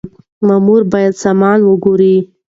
مامور بايد سامان وګوري.